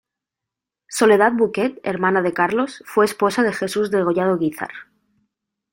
Soledad Bouquet, hermana de Carlos, fue esposa de Jesús Degollado Guízar.